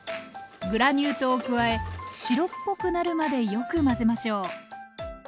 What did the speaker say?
グラニュー糖を加え白っぽくなるまでよく混ぜましょう。